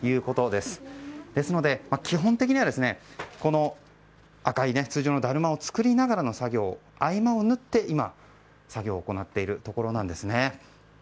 ですので、基本的には赤い通常のだるまを作りながらのその合間を縫って作業を行っているところなんです。